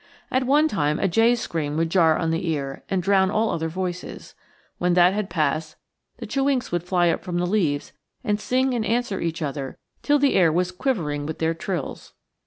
At one time a jay's scream would jar on the ear and drown all other voices; when that had passed, the chewinks would fly up from the leaves and sing and answer each other till the air was quivering with their trills.